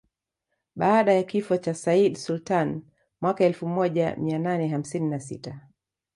Baada ya kifo cha Sayyid Sultan mwaka elfu moja mia nane hamsini na sita